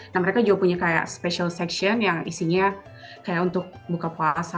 nah mereka juga punya kayak special section yang isinya kayak untuk buka puasa